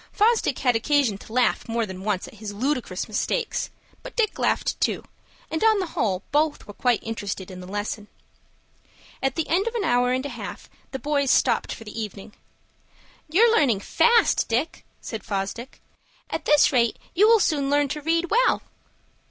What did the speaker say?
Fosdick had occasion to laugh more than once at his ludicrous mistakes; but Dick laughed too, and on the whole both were quite interested in the lesson. At the end of an hour and a half the boys stopped for the evening. "You're learning fast, Dick," said Fosdick. "At this rate you will soon learn to read well."